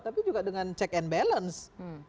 tapi juga dengan check and balance